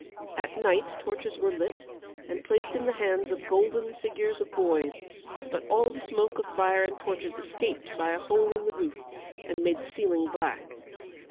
At night torches were lit, and placed in the hands of golden figures of boys, but all the smoke of fire and torches escaped by a hole in the roof, and made the ceiling black.